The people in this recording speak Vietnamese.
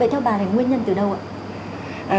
vậy theo bà là nguyên nhân từ đâu ạ